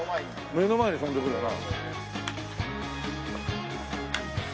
目の前に飛んでくるね。